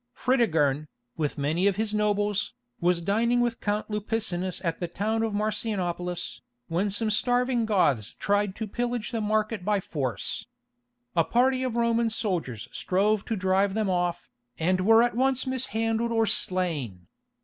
Fritigern, with many of his nobles, was dining with Count Lupicinus at the town of Marcianopolis, when some starving Goths tried to pillage the market by force. A party of Roman soldiers strove to drive them off, and were at once mishandled or slain.